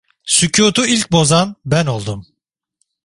Sükûtu ilk bozan ben oldum.